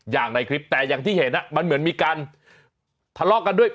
อย่างในคลิปแต่อย่างที่เห็นมันเหมือนมีการทะเลาะกันด้วย